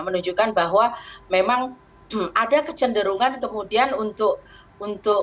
menunjukkan bahwa memang ada kecenderungan kemudian untuk